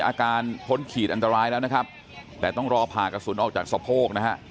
อาการพ้นขีดอันตรายแล้วนะครับแต่ต้องรอผ่ากระสุนออกจากสะโพกนะฮะ